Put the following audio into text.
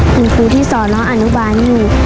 คุณครูที่สอนน้องอนุบาลอยู่